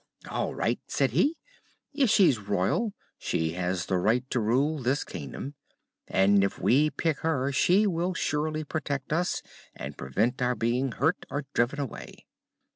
"All right," said he. "If she's royal, she has the right to rule this Kingdom, and if we pick her she will surely protect us and prevent our being hurt, or driven away."